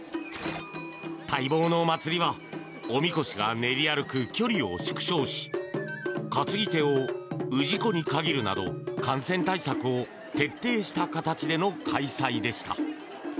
待望の祭りはおみこしが練り歩く距離を縮小し担ぎ手を氏子に限るなど感染対策を徹底した形での開催でした。